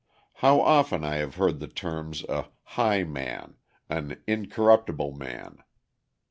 How often I have heard the terms a "high man," an "incorruptible man."